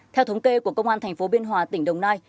theo thống kê của công an tp biên hòa tỉnh đồng nai